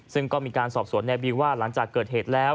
ซึ่งก็มีการสอบสวนในบิวว่าหลังจากเกิดเหตุแล้ว